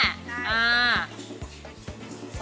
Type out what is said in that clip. ใช่